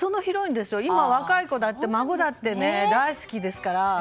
今、若い子だって孫だって大好きですから。